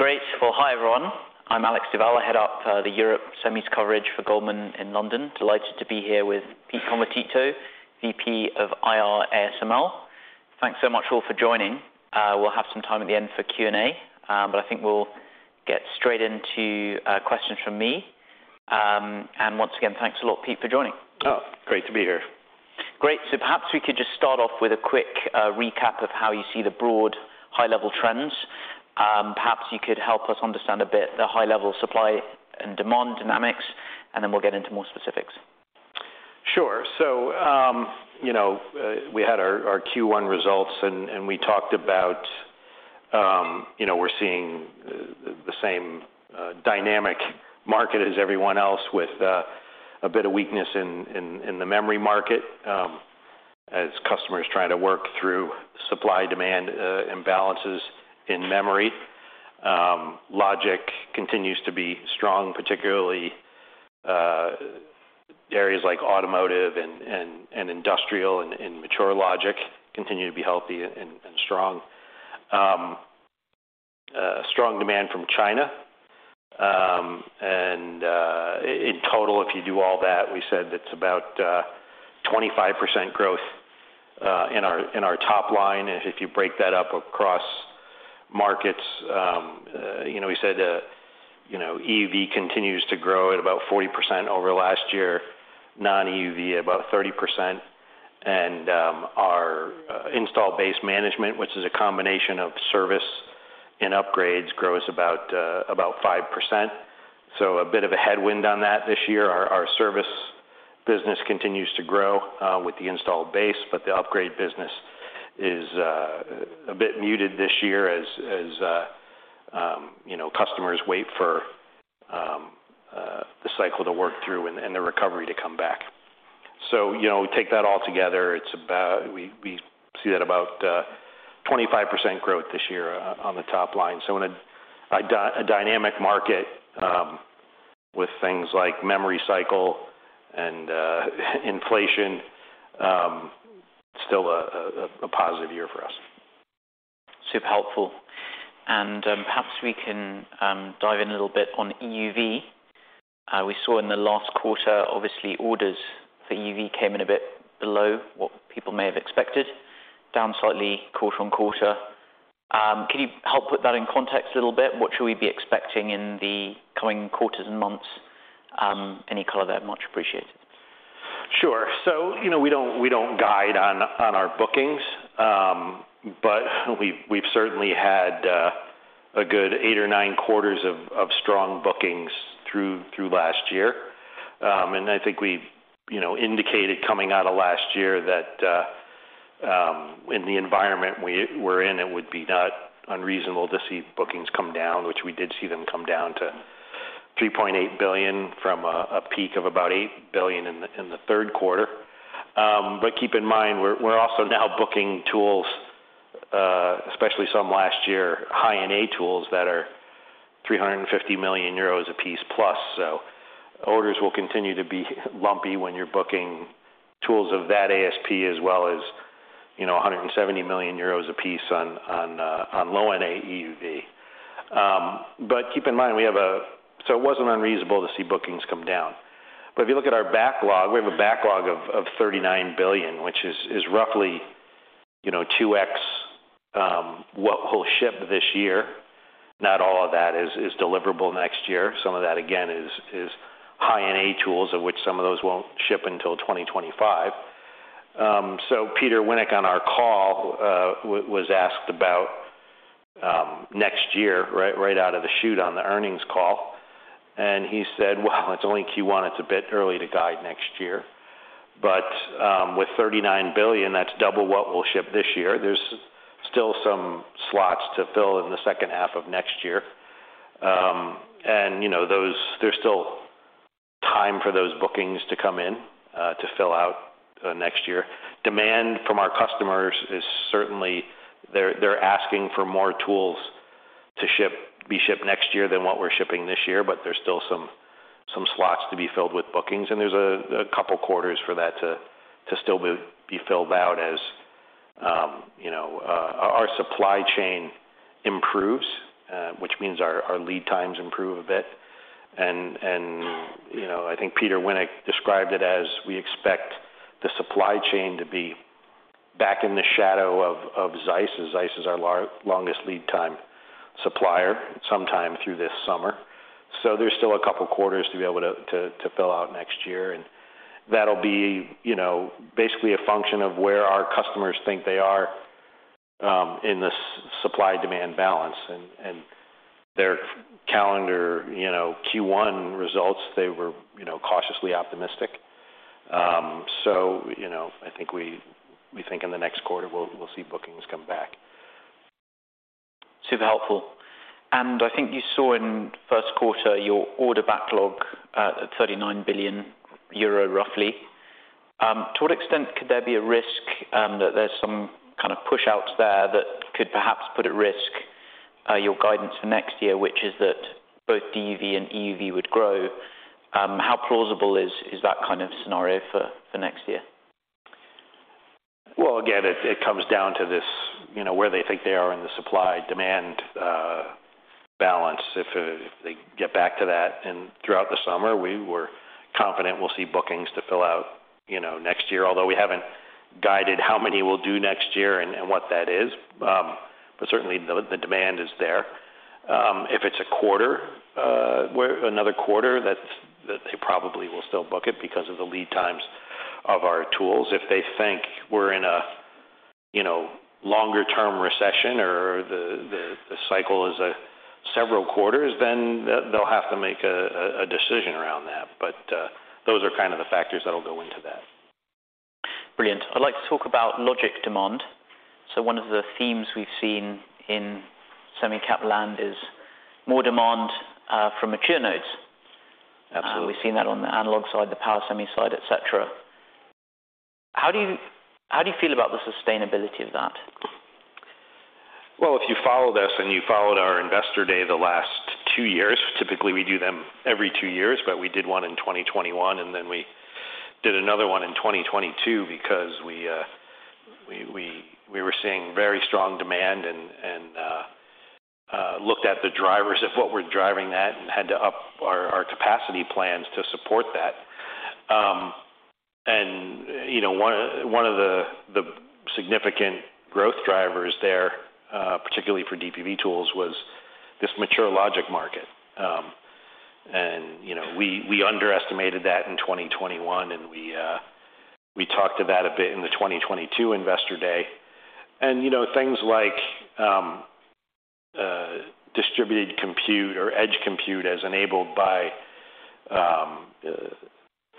Great. Well, hi, everyone. I'm Alex Duval. I head up the Europe Semis coverage for Goldman in London. Delighted to be here with Pete Convertito, VP of IR ASML. Thanks so much all for joining. We'll have some time at the end for Q&A. I think we'll get straight into questions from me. Once again, thanks a lot, Pete, for joining. Oh, great to be here. Great. Perhaps we could just start off with a quick recap of how you see the broad high-level trends. Perhaps you could help us understand a bit, the high level of supply and demand dynamics, and then we'll get into more specifics. Sure. You know, we had our Q1 results, and we talked about, you know, we're seeing the same dynamic market as everyone else with a bit of weakness in the memory market, as customers try to work through supply-demand imbalances in memory. Logic continues to be strong, particularly areas like automotive and industrial and mature logic continue to be healthy and strong. Strong demand from China. In total, if you do all that, we said it's about 25% growth in our top line. If you break that up across markets, you know, we said, you know, EUV continues to grow at about 40% over last year, non-EUV, about 30%. Our Installed Base Management, which is a combination of service and upgrades, grows about 5%. A bit of a headwind on that this year. Our service business continues to grow with the installed base, but the upgrade business is a bit muted this year as, you know, customers wait for the cycle to work through and the recovery to come back. You know, take that all together, we see that about 25% growth this year on the top line. In a dynamic market, with things like memory cycle and inflation, still a positive year for us. Super helpful. Perhaps we can dive in a little bit on EUV. We saw in the last quarter, obviously, orders for EUV came in a bit below what people may have expected, down slightly quarter-on-quarter. Can you help put that in context a little bit? What should we be expecting in the coming quarters and months? Any color there, much appreciated. Sure. you know, we don't guide on our bookings, but we've certainly had a good eight or nine quarters of strong bookings through last year. I think we've, you know, indicated coming out of last year that in the environment we're in, it would be not unreasonable to see bookings come down, which we did see them come down to 3.8 billion from a peak of about 8 billion in the Q3. Keep in mind, we're also now booking tools, especially some last year, High NA tools that are 350 million euros a piece plus. Orders will continue to be lumpy when you're booking tools of that ASP as well as, you know, 170 million euros a piece on Low NA EUV. Keep in mind, it wasn't unreasonable to see bookings come down. If you look at our backlog, we have a backlog of 39 billion, which is roughly, you know, 2x what we'll ship this year. Not all of that is deliverable next year. Some of that, again, is High NA tools, of which some of those won't ship until 2025. Peter Wennink, on our call, was asked about next year, right out of the chute on the earnings call, and he said, "Well, it's only Q1. It's a bit early to guide next year. With 39 billion, that's double what we'll ship this year." There's still some slots to fill in the second half of next year. You know, there's still time for those bookings to come in to fill out next year. Demand from our customers is certainly. They're asking for more tools to ship, be shipped next year than what we're shipping this year, but there's still some slots to be filled with bookings, and there's a couple quarters for that to still be filled out as, you know, our supply chain improves, which means our lead times improve a bit. You know, I think Peter Wennink described it as we expect the supply chain to be back in the shadow of ZEISS, as ZEISS is our longest lead time supplier, sometime through this summer. There's still a couple quarters to be able to fill out next year, that'll be, you know, basically a function of where our customers think they are in this supply-demand balance. Their calendar, you know, Q1 results, they were, you know, cautiously optimistic. You know, I think we think in the next quarter, we'll see bookings come back. Super helpful. I think you saw in Q1, your order backlog, at 39 billion euro, roughly. To what extent could there be a risk that there's some kind of push out there that could perhaps put at risk your guidance for next year, which is that both DUV and EUV would grow? How plausible is that kind of scenario for next year? Well, again, it comes down to this, you know, where they think they are in the supply-demand balance. If they get back to that, and throughout the summer, we were confident we'll see bookings to fill out, you know, next year, although we haven't guided how many we'll do next year and what that is. Certainly the demand is there. If it's a quarter, where another quarter, they probably will still book it because of the lead times of our tools. If they think we're in a, you know, longer term recession or the cycle is several quarters, then they'll have to make a decision around that. Those are kind of the factors that'll go into that. Brilliant. I'd like to talk about logic demand. One of the themes we've seen in semi cap land is more demand from mature nodes. Absolutely. We've seen that on the analog side, the power semi side, et cetera. How do you feel about the sustainability of that? Well, if you followed us and you followed our Investor Day the last two years, typically, we do them every two years. We did one in 2021. We did another one in 2022 because we were seeing very strong demand and looked at the drivers of what were driving that and had to up our capacity plans to support that. You know, one of the significant growth drivers there, particularly for DUV tools, was this mature logic market. You know, we underestimated that in 2021. We talked about a bit in the 2022 Investor Day. You know, things like distributed compute or edge compute, as enabled by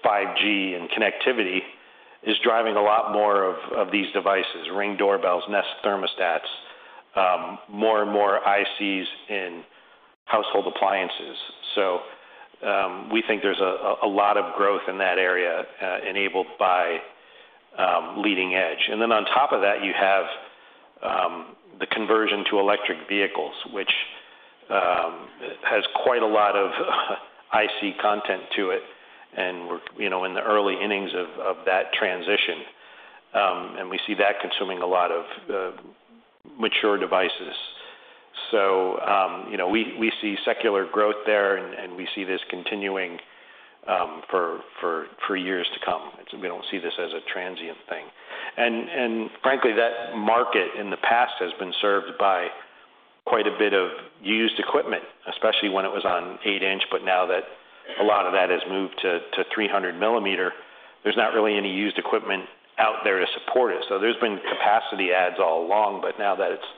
5G and connectivity, is driving a lot more of these devices, Ring doorbells, Nest thermostats, more and more ICs in household appliances. We think there's a lot of growth in that area, enabled by leading edge. On top of that, you have the conversion to electric vehicles, which has quite a lot of IC content to it, and we're, you know, in the early innings of that transition, and we see that consuming a lot of mature devices. You know, we see secular growth there, and we see this continuing for years to come. We don't see this as a transient thing. Frankly, that market in the past has been served by quite a bit of used equipment, especially when it was on eight inch, but now that a lot of that has moved to 300mm, there's not really any used equipment out there to support it. There's been capacity adds all along, but now that it's,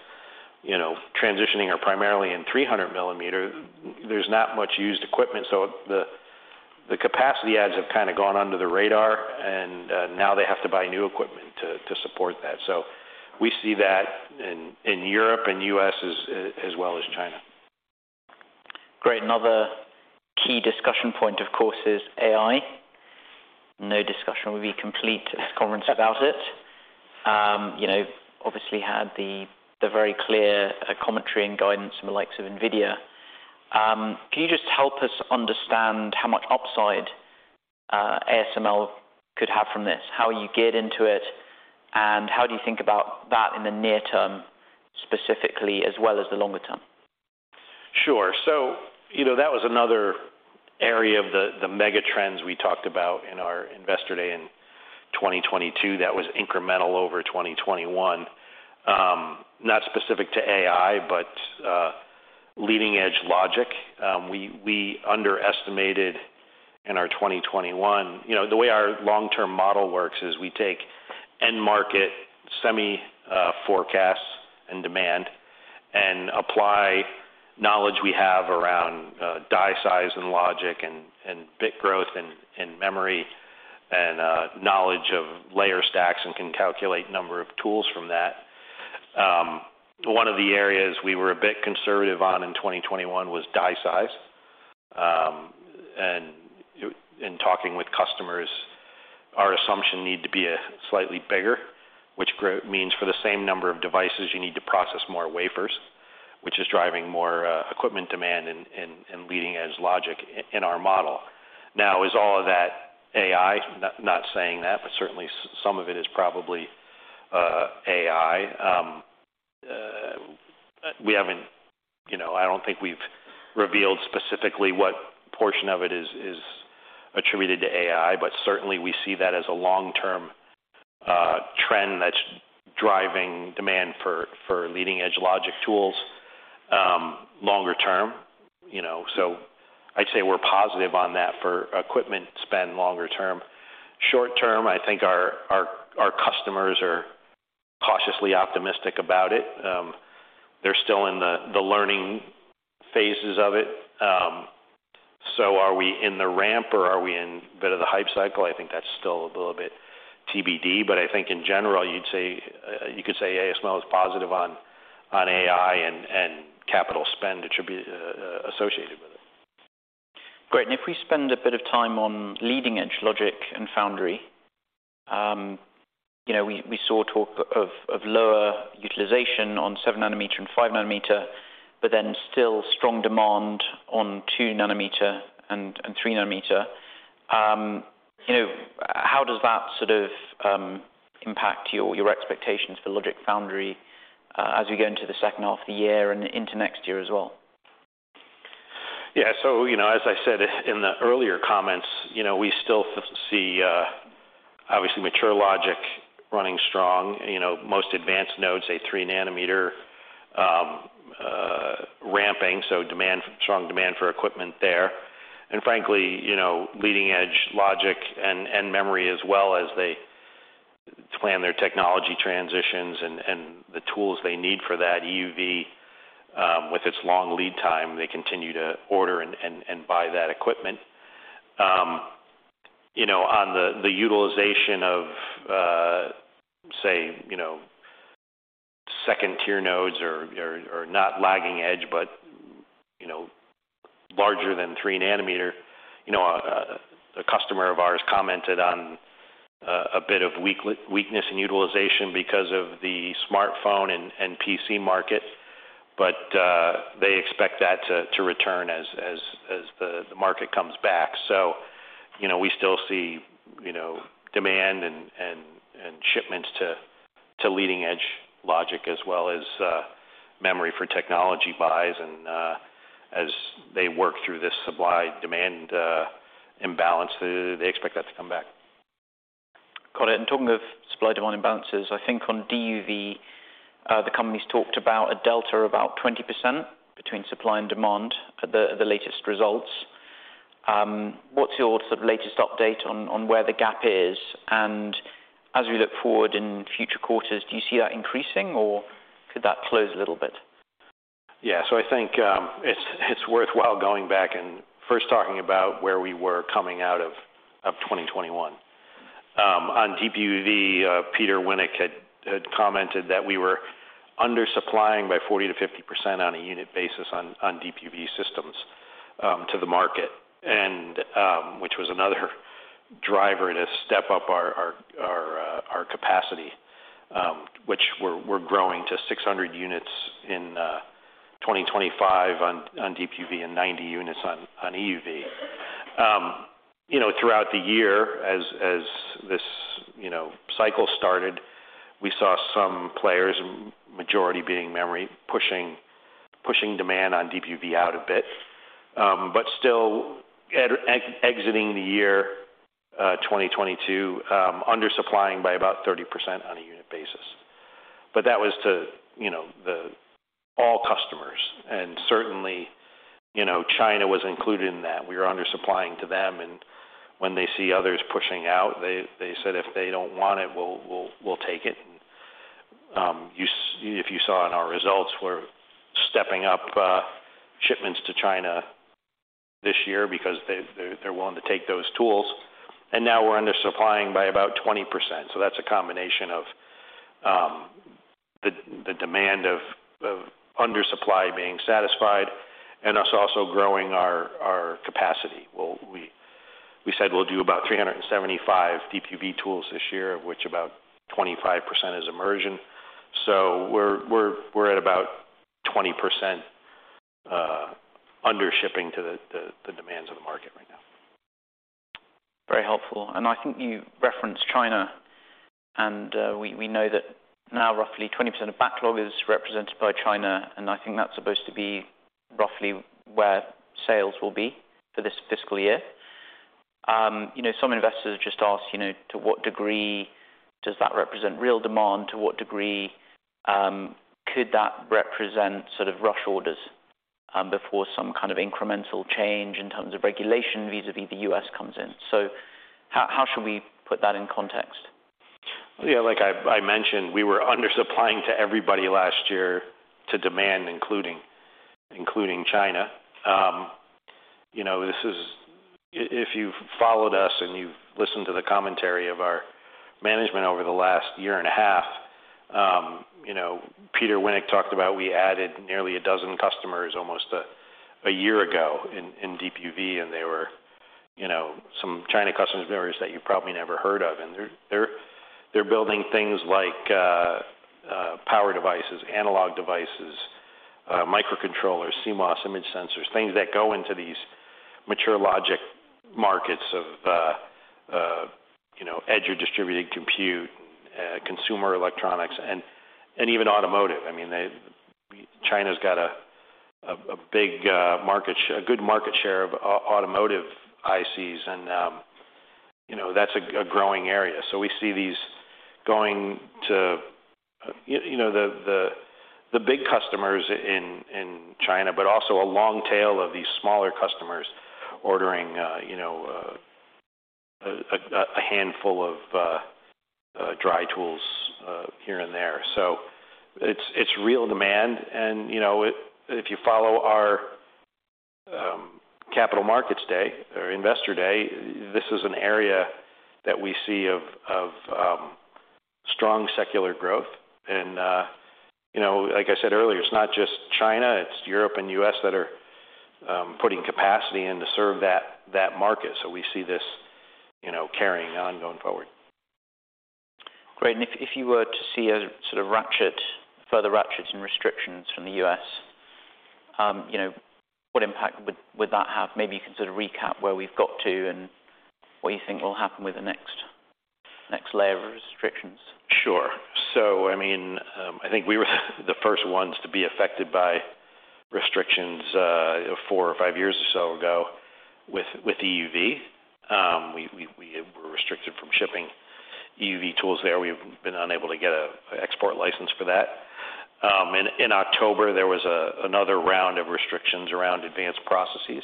you know, transitioning or primarily in 300mm, there's not much used equipment. The capacity adds have kind of gone under the radar, and now they have to buy new equipment to support that. We see that in Europe and U.S. as well as China. Great. Another key discussion point, of course, is AI. No discussion will be complete at this conference without it. You know, obviously had the very clear commentary and guidance from the likes of NVIDIA. Can you just help us understand how much upside ASML could have from this? How are you geared into it, and how do you think about that in the near term, specifically, as well as the longer term? Sure. You know, that was another area of the mega trends we talked about in our Investor Day in 2022, that was incremental over 2021. Not specific to AI, but leading edge logic. We underestimated in our 2021. You know, the way our long-term model works is we take end market semi forecasts and demand, and apply knowledge we have around die size and logic and bit growth and memory and knowledge of layer stacks, and can calculate number of tools from that. One of the areas we were a bit conservative on in 2021 was die size. In talking with customers, our assumption need to be slightly bigger, which means for the same number of devices, you need to process more wafers, which is driving more equipment demand and leading-edge logic in our model. Is all of that AI? Not saying that, certainly some of it is probably AI. We haven't. You know, I don't think we've revealed specifically what portion of it is attributed to AI, certainly we see that as a long-term trend that's driving demand for leading-edge logic tools longer term. You know, I'd say we're positive on that for equipment spend longer term. Short term, I think our customers are cautiously optimistic about it. They're still in the learning phases of it. Are we in the ramp or are we in a bit of the hype cycle? I think that's still a little bit TBD, but I think in general, you'd say, you could say ASML is positive on AI and capital spend attribute associated with it. Great, if we spend a bit of time on leading-edge Logic and Foundry, you know, we saw talk of lower utilization on 7 nm and 5 nm. Still strong demand on 2 nm and 3 nm. You know, how does that sort of impact your expectations for Logic Foundry as we go into the second half of the year and into next year as well? You know, as I said in the earlier comments, you know, we still see, obviously, mature logic running strong, you know, most advanced nodes, say, 3 nm, ramping, strong demand for equipment there. Frankly, you know, leading-edge logic and memory as well as they plan their technology transitions and the tools they need for that EUV, with its long lead time, they continue to order and buy that equipment. You know, on the utilization of, say, you know, second-tier nodes or not lagging edge, but, you know, larger than 3 nm, you know, a customer of ours commented on a bit of weakness in utilization because of the smartphone and PC market, but, they expect that to return as the market comes back. You know, we still see, you know, demand and shipments to leading-edge logic as well as memory for technology buys, and, as they work through this supply-demand imbalance, they expect that to come back. Got it, talking of supply-demand imbalances, I think on DUV, the company's talked about a delta of about 20% between supply and demand at the latest results. What's your sort of latest update on where the gap is? As we look forward in future quarters, do you see that increasing, or could that close a little bit? I think it's worthwhile going back and first talking about where we were coming out of 2021. On DUV, Peter Wennink had commented that we were undersupplying by 40%-50% on a unit basis on DUV systems to the market, which was another driver to step up our capacity, which we're growing to 600 units in 2025 on DUV and 90 units on EUV. You know, throughout the year, as this, you know, cycle started, we saw some players, majority being memory, pushing demand on DUV out a bit, but still exiting the year 2022, undersupplying by about 30% on a unit basis. That was to, you know, the. All customers, certainly, you know, China was included in that. We were undersupplying to them, when they see others pushing out, they said, "If they don't want it, we'll take it." If you saw in our results, we're stepping up shipments to China this year because they're willing to take those tools, and now we're undersupplying by about 20%. That's a combination of the demand of undersupply being satisfied and us also growing our capacity. We said we'll do about 375 DUV tools this year, of which about 25% is immersion. We're at about 20%, undershipping to the demands of the market right now. Very helpful. I think you referenced China, we know that now roughly 20% of backlog is represented by China, and I think that's supposed to be roughly where sales will be for this fiscal year. You know, some investors have just asked, you know, to what degree does that represent real demand? To what degree could that represent sort of rush orders before some kind of incremental change in terms of regulation vis-a-vis the U.S. comes in? How should we put that in context? Yeah, like I mentioned, we were undersupplying to everybody last year to demand, including China. You know, if you've followed us and you've listened to the commentary of our management over the last year and a half, you know, Peter Wennink talked about we added nearly a dozen customers almost a year ago in DUV, and they were, you know, some China customers that you've probably never heard of, and they're building things like power devices, analog devices, microcontrollers, CMOS image sensors, things that go into these mature logic markets of, you know, edge or distributed compute, consumer electronics, and even automotive. I mean, China's got a big market share of automotive ICs, and, you know, that's a growing area. We see these going to, you know, the big customers in China, but also a long tail of these smaller customers ordering, you know, a handful of dry tools here and there. It's real demand, and, you know, if you follow our Capital Markets Day or Investor Day, this is an area that we see of strong secular growth. You know, like I said earlier, it's not just China, it's Europe and U.S. that are putting capacity in to serve that market. We see this, you know, carrying on going forward. Great, if you were to see a sort of ratchet, further ratchets and restrictions from the U.S., you know, what impact would that have? Maybe you can sort of recap where we've got to and what you think will happen with the next layer of restrictions. Sure. I mean, I think we were the first ones to be affected by restrictions, four or five years or so ago with EUV. We were restricted from shipping EUV tools there. We've been unable to get a export license for that. In October, there was another round of restrictions around advanced processes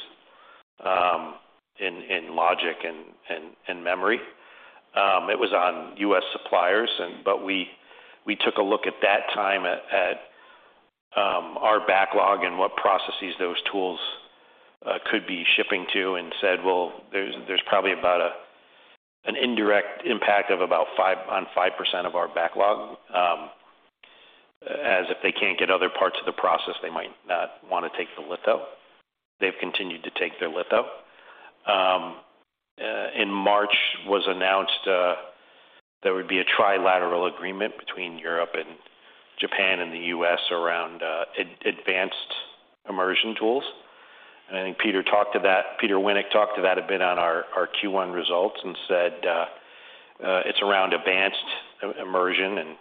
in logic and memory. It was on U.S. suppliers, but we took a look at that time at our backlog and what processes those tools could be shipping to, and said: Well, there's probably about an indirect impact of about 5% of our backlog. As if they can't get other parts of the process, they might not want to take the litho. They've continued to take their litho. In March, was announced, there would be a trilateral agreement between Europe and Japan and the U.S. around advanced immersion tools. I think Peter Wennink talked to that a bit on our Q1 results and said, it's around advanced immersion.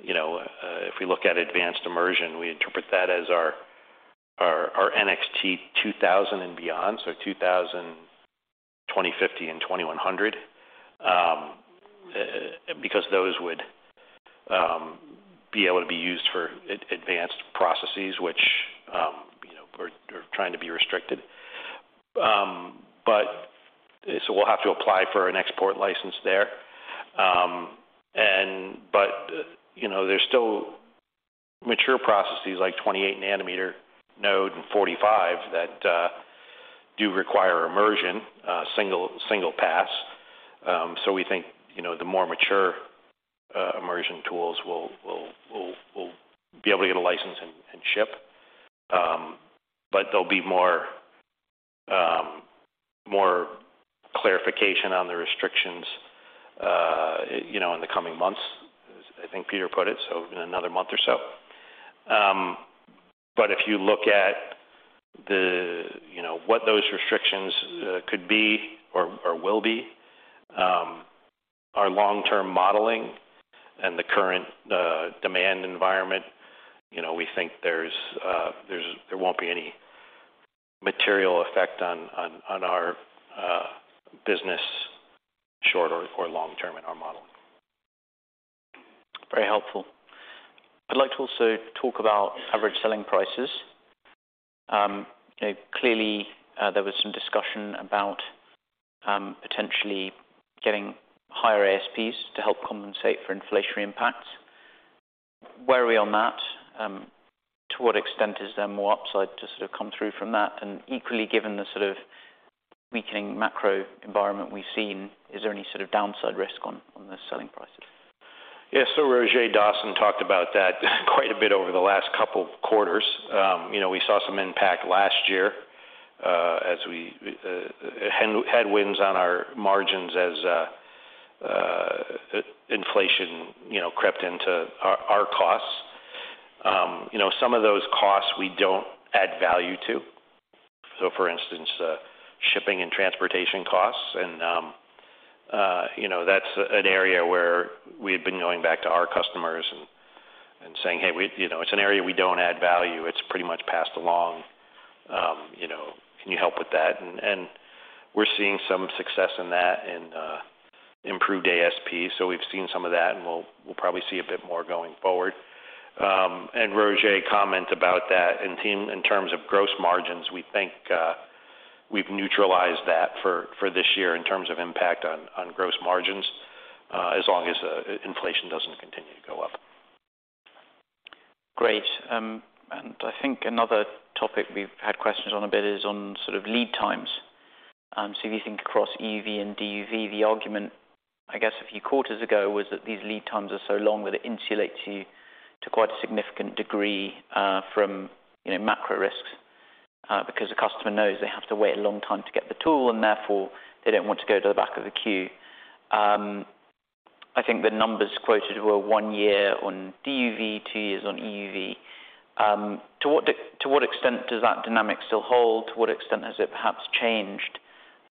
You know, if we look at advanced immersion, we interpret that as our NXT:2000i and beyond, so NXT:2050i and NXT:2100i. Because those would be able to be used for advanced processes, which, you know, are trying to be restricted. So we'll have to apply for an export license there. You know, there's still mature processes like 28 nm node and 45, that do require immersion, single pass. We think, you know, the more mature immersion tools will be able to get a license and ship. There'll be more clarification on the restrictions, you know, in the coming months, as I think Peter put it, in another month or so. If you look at the, you know, what those restrictions could be or will be, our long-term modeling and the current demand environment, you know, we think there won't be any material effect on our business, short or long term in our model. Very helpful. I'd like to also talk about average selling prices. you know, clearly, there was some discussion about potentially getting higher ASPs to help compensate for inflationary impacts. Where are we on that? To what extent is there more upside to come through from that? Equally, given the weakening macro environment we've seen, is there any downside risk on the selling prices? Yeah. Roger Dassen talked about that quite a bit over the last couple of quarters. you know, we saw some impact last year, as we, headwinds on our margins as, inflation, you know, crept into our costs. you know, some of those costs we don't add value to. For instance, shipping and transportation costs, and, you know, that's an area where we've been going back to our customers and, saying: "Hey, you know, it's an area we don't add value. It's pretty much passed along. you know, can you help with that?" we're seeing some success in that and improved ASP. we've seen some of that, and we'll probably see a bit more going forward. Roger comment about that in terms of gross margins, we think, we've neutralized that for this year in terms of impact on gross margins, as long as inflation doesn't continue to go up. Great. I think another topic we've had questions on a bit is on sort of lead times. If you think across EUV and DUV, the argument, I guess, a few quarters ago, was that these lead times are so long, that it insulates you to quite a significant degree, from, you know, macro risks, because the customer knows they have to wait a long time to get the tool, and therefore, they don't want to go to the back of the queue. I think the numbers quoted were one year on DUV, two years on EUV. To what extent does that dynamic still hold? To what extent has it perhaps changed?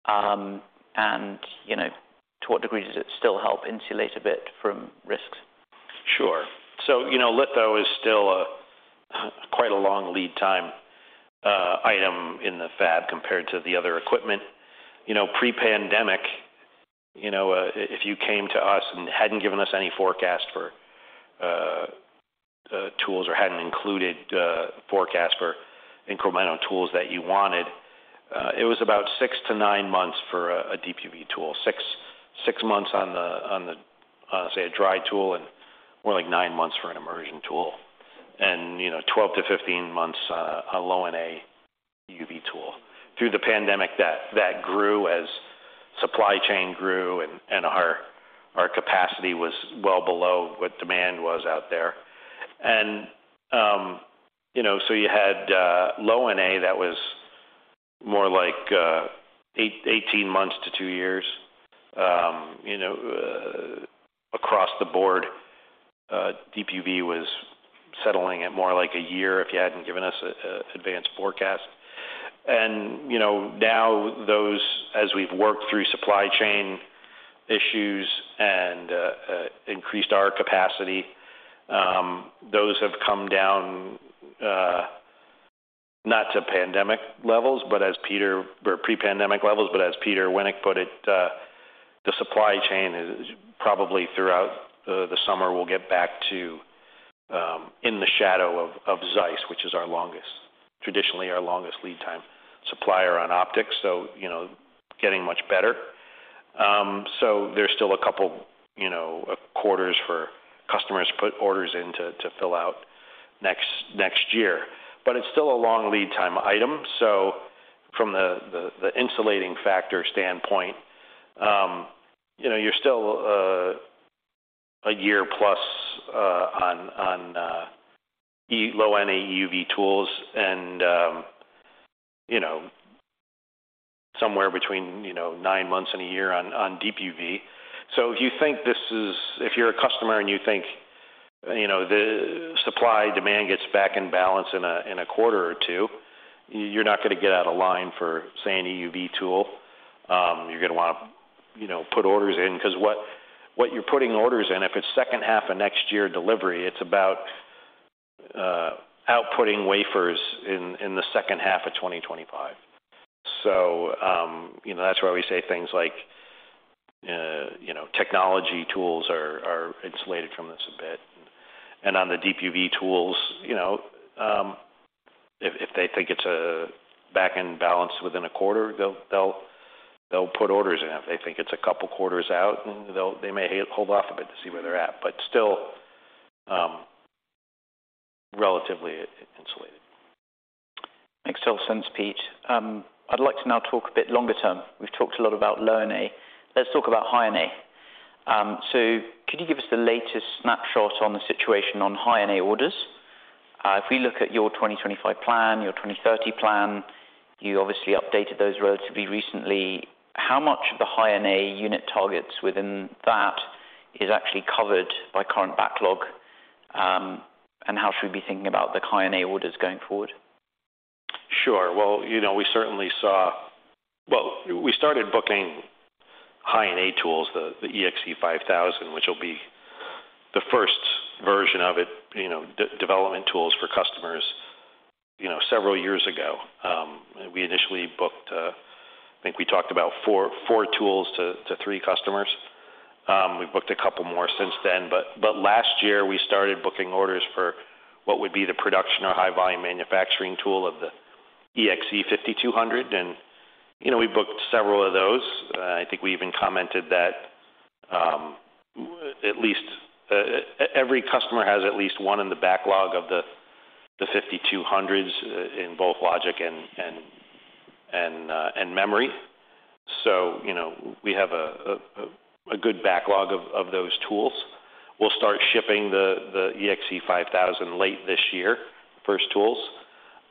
You know, to what degree does it still help insulate a bit from risks? Sure. You know, litho is still quite a long lead time item in the fab compared to the other equipment. You know, pre-pandemic, you know, if you came to us and hadn't given us any forecast for tools or hadn't included forecast for incremental tools that you wanted, it was about six-nine months for a DUV tool. Six months on the, on the, say, a dry tool, and more like nine months for an immersion tool. You know, 12-15 months, a Low-NA EUV tool. Through the pandemic, that grew as supply chain grew and our capacity was well below what demand was out there. You know, you had Low-NA that was more like 18 months to two years. You know, across the board, DUV was settling at more like a year if you hadn't given us a advanced forecast. You know, now those, as we've worked through supply chain issues and increased our capacity, those have come down, not to pandemic levels, but pre-pandemic levels, but as Peter Wennink put it, the supply chain is probably throughout the summer, we'll get back to, in the shadow of ZEISS, which is our longest traditionally, our longest lead time supplier on optics. You know, getting much better. There's still a couple quarters for customers to put orders in to fill out next year. It's still a long lead time item, so from the insulating factor standpoint, you know, you're still a year plus on Low-NA EUV tools and, you know, some here between, you know, nine months and one year on DUV. If you think, if you're a customer and you think, you know, the supply-demand gets back in balance in a quarter or two, you're not gonna get out of line for, say, an EUV tool. You're gonna wanna, you know, put orders in, 'cause what you're putting orders in, if it's second half of next year delivery, it's about outputting wafers in the second half of 2025. You know, that's why we say things like, you know, technology tools are insulated from this a bit. On the DUV tools, you know, if they think it's back in balance within a quarter, they'll put orders in. If they think it's a couple quarters out, they may hold off a bit to see where they're at, but still, relatively insulated. Makes total sense, Pete. I'd like to now talk a bit longer term. We've talked a lot about Low-NA. Let's talk about High-NA. Could you give us the latest snapshot on the situation on High-NA orders? If we look at your 2025 plan, your 2030 plan, you obviously updated those relatively recently. How much of the High-NA unit targets within that is actually covered by current backlog, and how should we be thinking about the High-NA orders going forward? Sure. Well, you know, we certainly started booking High-NA tools, the EXE:5000, which will be the first version of it, you know, development tools for customers, you know, several years ago. We initially booked, I think we talked about four tools to three customers. We've booked a couple more since then, but last year, we started booking orders for what would be the production or high volume manufacturing tool of the EXE:5200, and, you know, we booked several of those. I think we even commented that at least every customer has at least one in the backlog of the EXE:5200s in both logic and memory. You know, we have a good backlog of those tools. We'll start shipping the EXE:5000 late this year, first tools.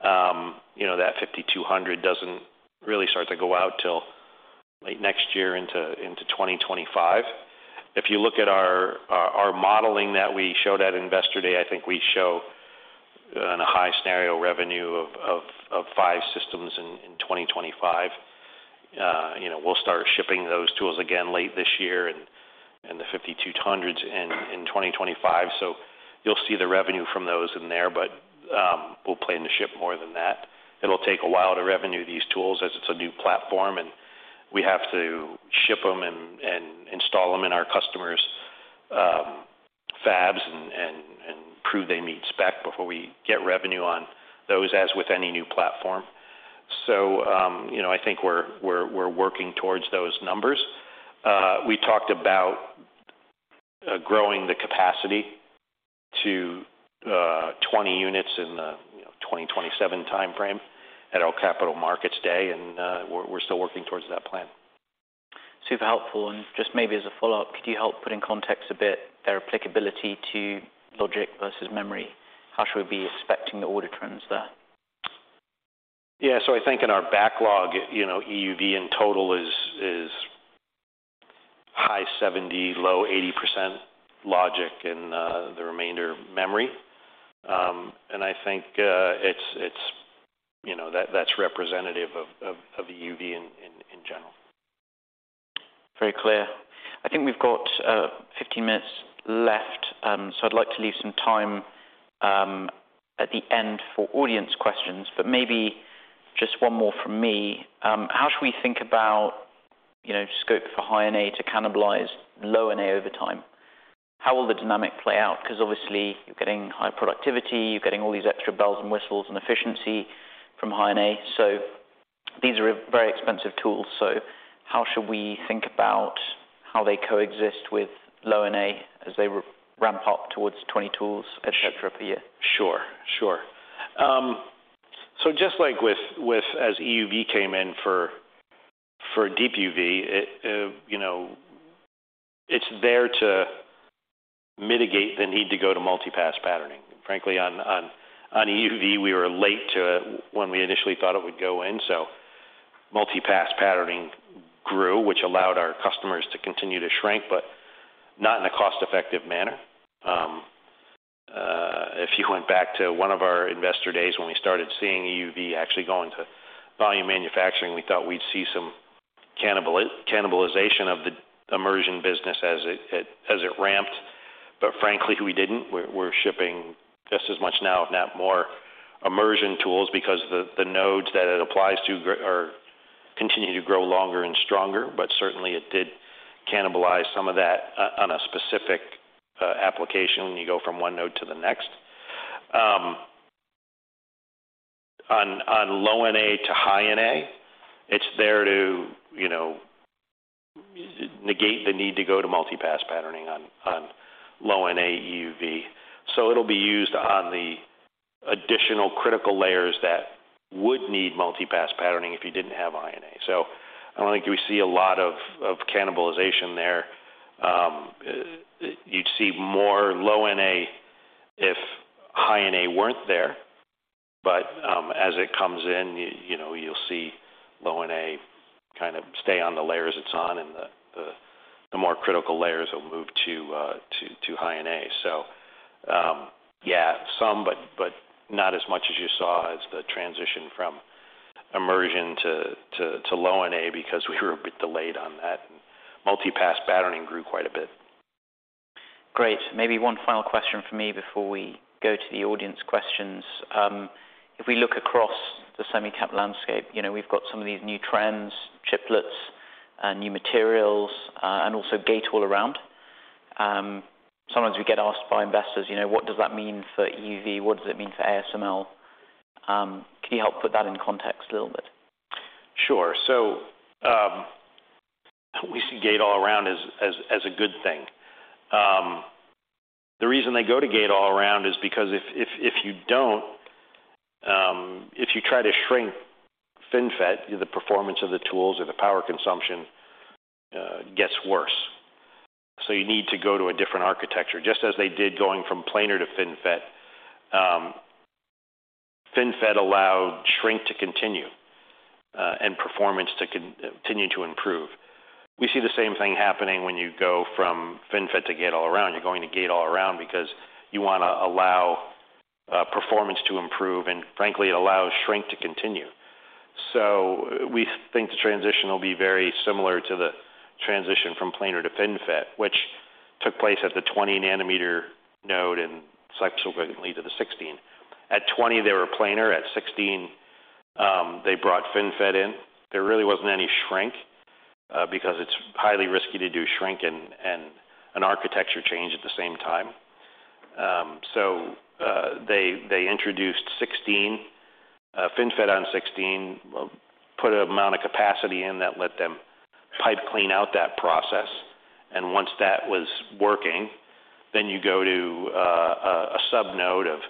you know, that EXE:5200 doesn't really start to go out till late next year into 2025. If you look at our modeling that we showed at Investor Day, I think we show, on a high scenario revenue of five systems in 2025. you know, we'll start shipping those tools again late this year and the EXE:5200s in 2025. You'll see the revenue from those in there, but we'll plan to ship more than that. It'll take a while to revenue these tools, as it's a new platform, and we have to ship them and install them in our customers' fabs and prove they meet spec before we get revenue on those, as with any new platform. You know, I think we're working towards those numbers. We talked about growing the capacity to 20 units in the, you know, 2027 timeframe at our Capital Markets Day, we're still working towards that plan. Super helpful, and just maybe as a follow-up, could you help put in context a bit their applicability to logic versus memory? How should we be expecting the order trends there? Yeah, I think in our backlog, you know, EUV in total is high 70%, low 80% logic, and the remainder, memory. I think, it's, you know, that's representative of EUV in general. Very clear. I think we've got 15 minutes left. I'd like to leave some time, at the end for audience questions, but maybe just one more from me. How should we think about, you know, scope for High-NA to cannibalize Low-NA over time? How will the dynamic play out? Because obviously, you're getting high productivity, you're getting all these extra bells and whistles and efficiency from High-NA, so these are very expensive tools. How should we think about how they coexist with Low-NA as they ramp up towards 20 tools et cetera per year? Sure, sure. Just like with, as EUV came in for DUV, it's there to mitigate the need to go to multi-pass patterning. Frankly, on EUV, we were late to it when we initially thought it would go in. Multi-pass patterning grew, which allowed our customers to continue to shrink, but not in a cost-effective manner. If you went back to one of our investor days when we started seeing EUV actually go into volume manufacturing, we thought we'd see some cannibalization of the immersion business as it ramped. Frankly, we didn't. We're shipping just as much now, if not more, immersion tools because the nodes that it applies to are continuing to grow longer and stronger. Certainly, it did cannibalize some of that on a specific application when you go from one node to the next. On Low-NA to High-NA, it's there to, you know, negate the need to go to multi-pass patterning on Low-NA EUV. It'll be used on the additional critical layers that would need multi-pass patterning if you didn't have High-NA. I don't think we see a lot of cannibalization there. You'd see more Low-NA if High-NA weren't there, but, as it comes in, you know, you'll see Low-NA kind of stay on the layers it's on, and the more critical layers will move to High-NA. Some, but not as much as you saw as the transition from immersion to Low-NA, because we were a bit delayed on that, and multi-pass patterning grew quite a bit. Great. Maybe one final question from me before we go to the audience questions. If we look across the semi cap landscape, you know, we've got some of these new trends, chiplets and new materials, and also Gate-All-Around. Sometimes we get asked by investors, you know, what does that mean for EUV? What does it mean for ASML? Can you help put that in context a little bit? Sure. We see gate-all-around as a good thing. The reason they go to Gate-All-Around is because if you don't, if you try to shrink FinFET, the performance of the tools or the power consumption gets worse, you need to go to a different architecture, just as they did going from planar to FinFET. FinFET allowed shrink to continue, and performance to continue to improve. We see the same thing happening when you go from FinFET to gate-all-around. You're going to gate-all-around because you want to allow performance to improve, and frankly, it allows shrink to continue. We think the transition will be very similar to the transition from planar to FinFET, which took place at the 20 nm node, and subsequently to the 16. At 20, they were planar. At 16, they brought FinFET in. There really wasn't any shrink because it's highly risky to do shrink and an architecture change at the same time. They introduced 16 FinFET on 16, put an amount of capacity in that let them pipe clean out that process, once that was working, then you go to a sub-node of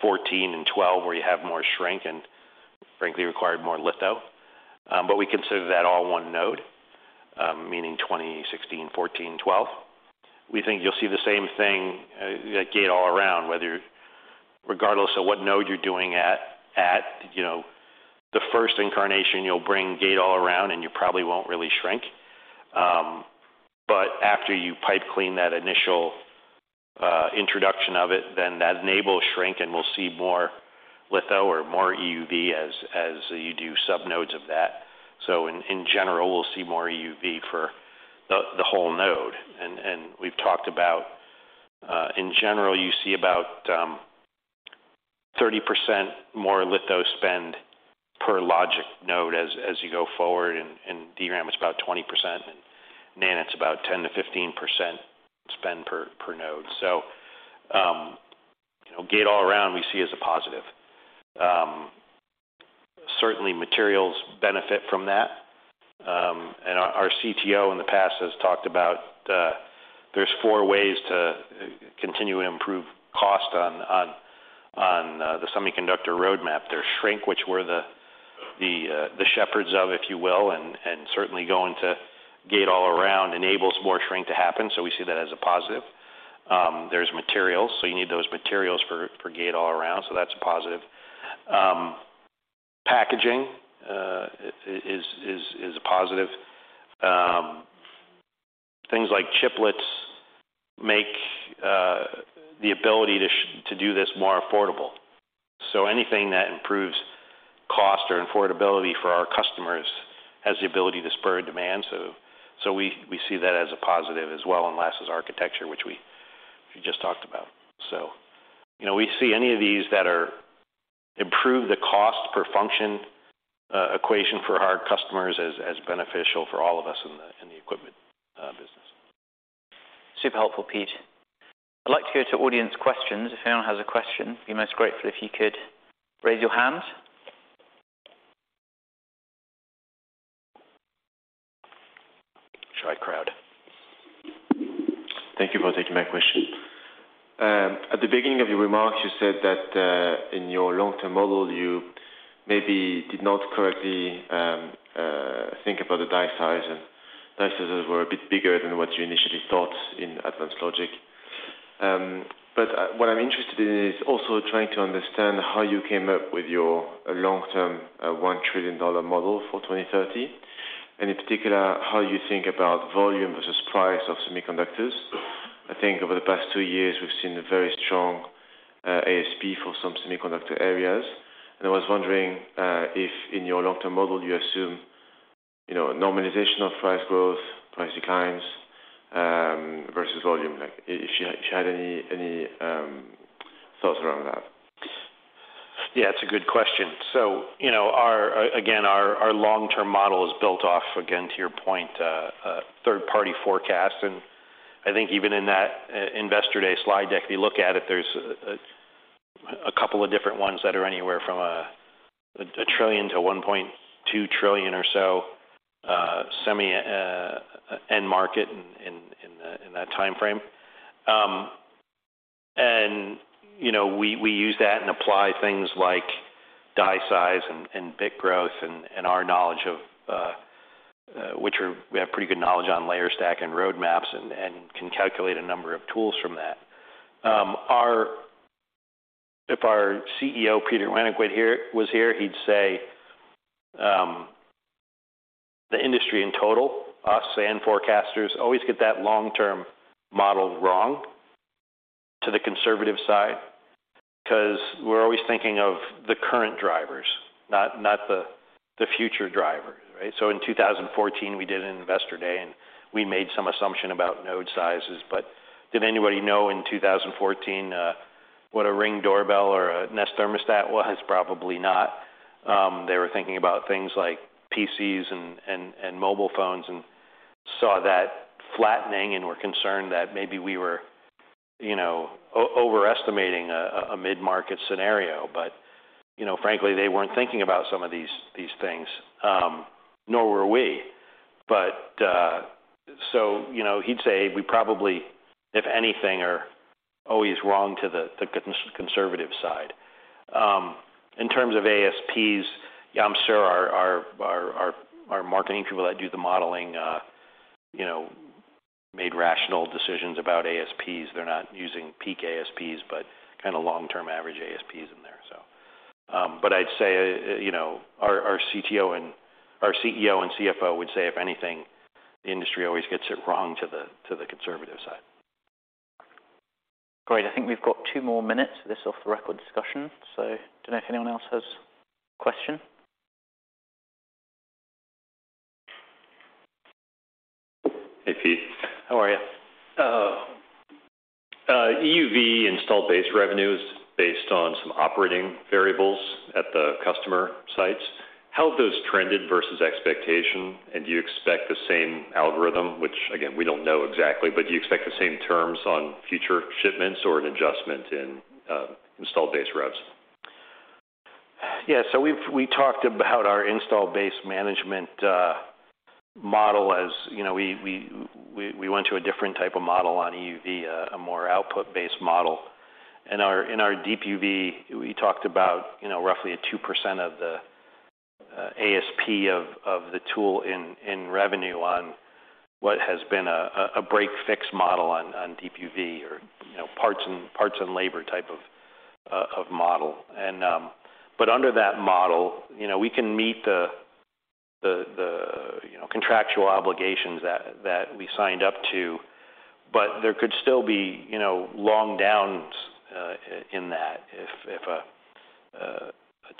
14 and 12, where you have more shrink and frankly, required more litho. We consider that all one node, meaning 20, 16, 14, 12. We think you'll see the same thing at Gate-All-Around. Regardless of what node you're doing at, you know, the first incarnation, you'll bring Gate-All-Around, you probably won't really shrink. After you pipe clean that initial introduction of it, then that enables shrink, and we'll see more litho or more EUV as you do sub-nodes of that. In general, we'll see more EUV for the whole node. We've talked about, in general, you see about 30% more litho spend per logic node as you go forward, and DRAM, it's about 20%, and NAND, it's about 10%-15% spend per node. You know, Gate-All-Around, we see as a positive. Certainly, materials benefit from that, and our CTO in the past has talked about, there's four ways to continue to improve cost on the semiconductor roadmap. There's shrink, which we're the shepherds of, if you will, and certainly going to Gate-All-Around enables more shrink to happen, we see that as a positive. There's materials, you need those materials for Gate-All-Around, that's a positive. Packaging is a positive. Things like chiplets make the ability to do this more affordable. Anything that improves cost or affordability for our customers has the ability to spur demand. We see that as a positive as well, and last is architecture, which we just talked about. You know, we see any of these that are improve the cost per function equation for our customers as beneficial for all of us in the equipment business. Super helpful, Pete. I'd like to go to audience questions. If anyone has a question, be most grateful if you could raise your hand. Shy crowd. Thank you for taking my question. At the beginning of your remarks, you said that in your long-term model, you maybe did not correctly think about the die size, and die sizes were a bit bigger than what you initially thought in advanced logic. What I'm interested in is also trying to understand how you came up with your long-term $1 trillion model for 2030, and in particular, how you think about volume versus price of semiconductors. I think over the past two years, we've seen a very strong ASP for some semiconductor areas, and I was wondering if in your long-term model, you assume, you know, normalization of price growth, price declines versus volume? Like, if you had any thoughts around that? Yeah, it's a good question. You know, our, again, our long-term model is built off, again, to your point, a third-party forecast, and I think even in that Investor Day slide deck, if you look at it, there's a couple of different ones that are anywhere from a $1 trillion-$1.2 trillion or so, semi end market in that timeframe. You know, we use that and apply things like die size and bit growth and our knowledge of which we have pretty good knowledge on layer stack and roadmaps and can calculate a number of tools from that. If our CEO, Peter Wennink, were here, was here, he'd say, the industry in total, us and forecasters, always get that long-term model wrong to the conservative side, because we're always thinking of the current drivers, not the future drivers, right? In 2014, we did an Investor Day, and we made some assumption about node sizes. Did anybody know in 2014, what a Ring doorbell or a Nest thermostat was? Probably not. They were thinking about things like PCs and mobile phones and saw that flattening and were concerned that maybe we were, you know, overestimating a mid-market scenario. You know, frankly, they weren't thinking about some of these things, nor were we. You know, he'd say we probably, if anything, are always wrong to the conservative side. In terms of ASPs, yeah, I'm sure our marketing people that do the modeling, you know, made rational decisions about ASPs. They're not using peak ASPs, but kind of long-term average ASPs in there, so. I'd say, you know, our CTO and our CEO and CFO would say, if anything, the industry always gets it wrong to the conservative side. Great. I think we've got two more minutes for this off-the-record discussion. I don't know if anyone else has a question. Hey, Pete. How are you? EUV installed base revenues based on some operating variables at the customer sites, how have those trended versus expectation? Do you expect the same algorithm, which, again, we don't know exactly, but do you expect the same terms on future shipments or an adjustment in installed base revs? Yeah, we talked about our Installed Base Management model. As you know, we went to a different type of model on EUV, a more output-based model. In our, in our DUV, we talked about, you know, roughly a 2% of the ASP of the tool in revenue on what has been a break-fix model on DUV or, you know, parts and parts and labor type of model. But under that model, you know, we can meet the contractual obligations that we signed up to, but there could still be, you know, long downs in that. If a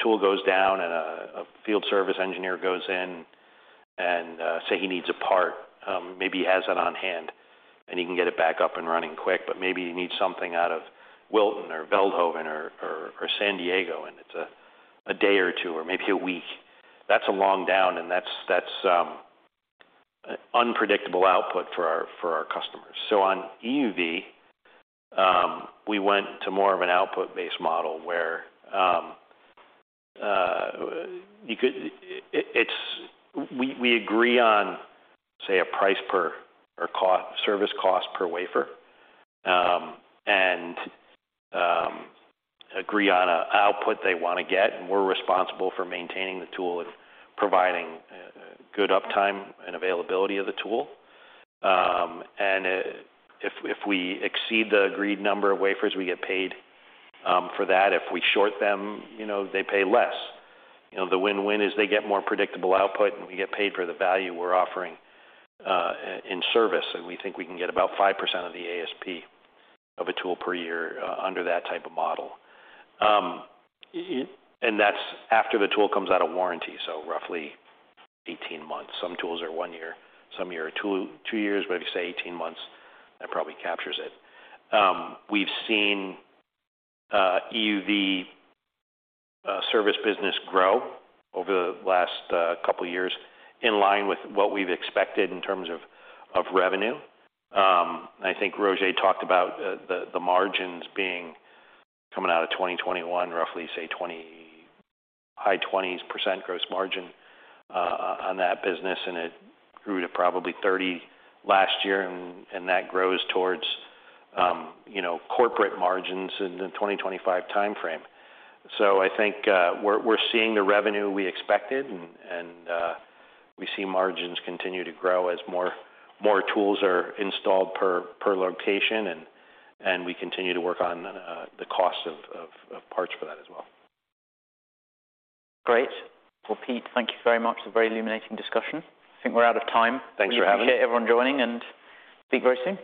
tool goes down and a field service engineer goes in and say he needs a part, maybe he has it on hand, and he can get it back up and running quick, but maybe he needs something out of Wilton or Veldhoven or San Diego, and it's a day or two or maybe a week. That's a long down, and that's unpredictable output for our customers. On EUV, we went to more of an output-based model where we agree on, say, a price per or cost, service cost per wafer, and agree on an output they want to get, and we're responsible for maintaining the tool and providing good uptime and availability of the tool. If we exceed the agreed number of wafers, we get paid for that. If we short them, you know, they pay less. The win-win is they get more predictable output, and we get paid for the value we're offering in service, and we think we can get about 5% of the ASP of a tool per year under that type of model. And that's after the tool comes out of warranty, so roughly 18 months. Some tools are one year, some are two years, but if you say 18 months, that probably captures it. We've seen EUV service business grow over the last couple of years, in line with what we've expected in terms of revenue. I think Roger talked about the margins being, coming out of 2021, roughly, say, high 20s% gross margin on that business, and that grew to probably 30% last year, and that grows towards, you know, corporate margins in the 2025 time frame. I think we're seeing the revenue we expected, and we see margins continue to grow as more tools are installed per location, and we continue to work on the cost of parts for that as well. Great. Well, Pete, thank you very much for the very illuminating discussion. I think we're out of time. Thanks for having me. Appreciate everyone joining, and speak very soon.